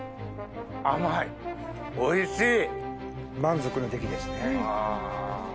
甘いおいしい！